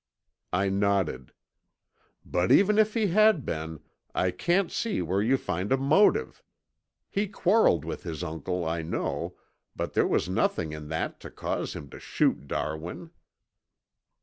I nodded. "But, even if he had been, I can't see where you find a motive. He quarreled with his uncle, I know, but there was nothing in that to cause him to shoot Darwin."